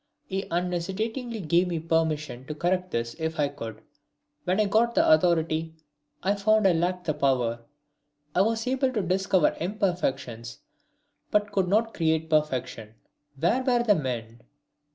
He unhesitatingly gave me permission to correct this if I could. When I got the authority I found I lacked the power. I was able to discover imperfections but could not create perfection! Where were the men?